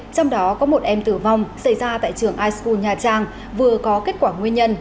trong đó có một em tử vong xảy ra tại trường isu nhà trang vừa có kết quả nguyên nhân